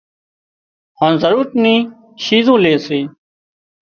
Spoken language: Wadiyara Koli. هانَ ضرورت نِي شِيزون لي سي